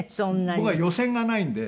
僕は予選がないんで。